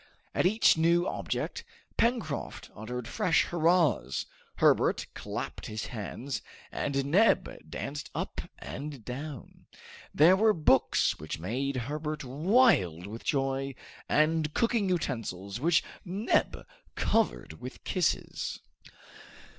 At each new object Pencroft uttered fresh hurrahs, Herbert clapped his hands, and Neb danced up and down. There were books which made Herbert wild with joy, and cooking utensils which Neb covered with kisses!